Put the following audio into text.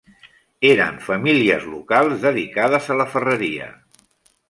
Eren famílies locals dedicades a la ferreria.